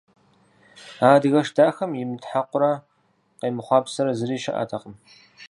А адыгэш дахэм имытхьэкъурэ къемыхъуапсэрэ зыри щыӀэтэкъым.